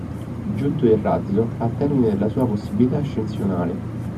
Giunto il razzo al termine della sua possibilità ascensionale